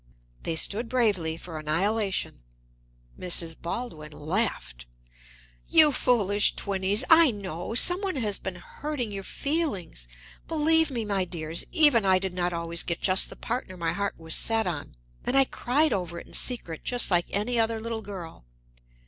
They stood bravely for annihilation. Mrs. Baldwin laughed. "You foolish twinnies! I know some one has been hurting your feelings. Believe me, my dears, even I did not always get just the partner my heart was set on! And I cried over it in secret, just like any other little girl.